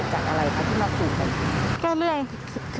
ความขู่ที่เกิดจากอะไรคะที่มาขู่กัน